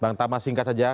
bang tamah singkat saja